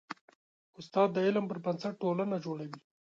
استاد د علم پر بنسټ ټولنه جوړوي.